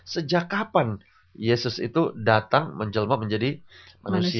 sejak kapan yesus itu datang menjelma menjadi manusia